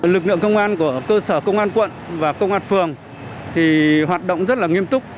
lực lượng công an của cơ sở công an quận và công an phường hoạt động rất nghiêm túc